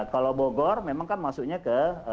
kalau bogor memang kan masuknya ke